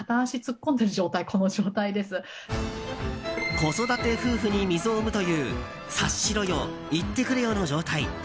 子育て夫婦に溝を生むという察しろよ、言ってくれよの状態。